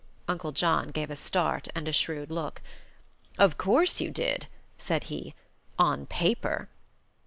Uncle John gave a start and a shrewd look. "Of course you did," said he. "On paper."